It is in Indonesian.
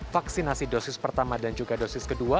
vaksinasi dosis pertama dan juga dosis kedua